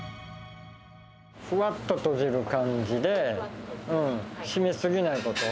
ふわっととじる感じで、しめ過ぎないこと。